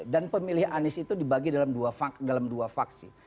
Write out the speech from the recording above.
dan pemilih anies itu dibagi dalam dua faksi